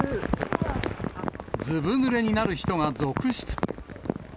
ずぶぬれになる人が続出。